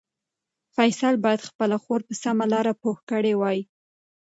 فیصل باید خپله خور په سمه لاره پوه کړې وای.